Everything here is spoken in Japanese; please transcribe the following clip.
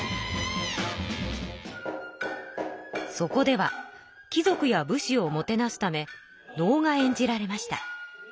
そこでは貴族や武士をもてなすため能が演じられました。